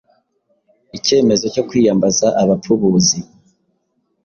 icyemezo cyo kwiyambaza ‘abapfubuzi’